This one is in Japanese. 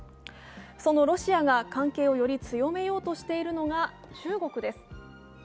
そのロシアが関係をより強めようとしているのが中国です。